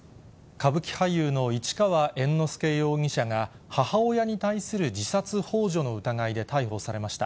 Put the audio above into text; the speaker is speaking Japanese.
歌舞伎俳優の市川猿之助容疑者が母親に対する自殺ほう助の疑いで逮捕されました。